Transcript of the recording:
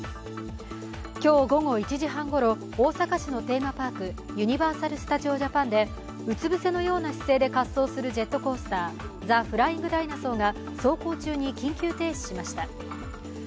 今日午後１時半ごろ、大阪市のテーマパーク、ユニバーサル・スタジオ・ジャパンでうつ伏せのような姿勢で滑走するジェットコースター、ザ・フライング・ダイナソーが走行中に緊急停止しました。